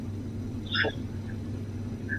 下堂那遗址的历史年代为新石器时代。